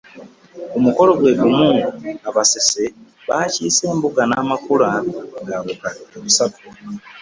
Ku mukolo gwe gumu, Abasese baakiise embuga n'amakula ga bukadde busatu